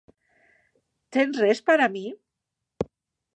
Tens res per a mi?